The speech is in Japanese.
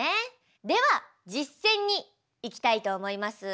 では実践にいきたいと思います。